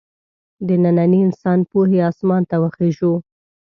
د ننني انسان پوهې اسمان ته وخېژو.